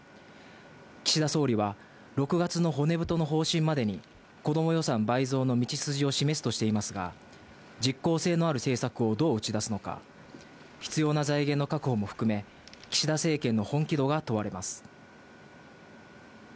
岸田総理は、６月の骨太の方針までに、こども予算倍増の道筋を示すとしていますが、実効性のある政策をどう打ち出すのか、必要な財源の確保も含め、岸田政権の本気度が問われます。